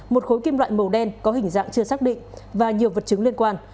một khối kim loại màu đen có hình dạng chưa xác định và nhiều vật chứng liên quan